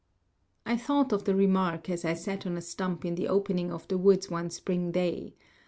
I thought of the remark as I sat on a stump in the opening of the woods one spring day.